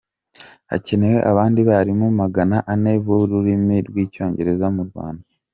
Hakenewe abandi barimu Magana ane b’ururimi rw’Icyongereza mu Rwanda